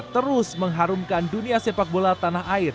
terus mengharumkan dunia sepak bola tanah air